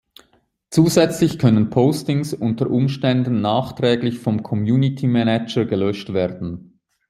Zusätzlich können Postings unter Umständen nachträglich vom Community Manager gelöscht werden.